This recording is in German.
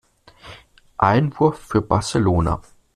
Einwurf für Barcelona.